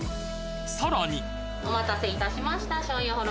さらに何？